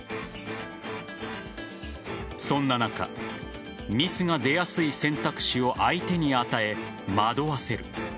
そんな中ミスが出やすい選択肢を相手に与え惑わせる。